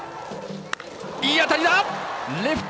いい当たりだ！